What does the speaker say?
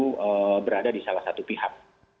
kita harus berada di salah satu pihak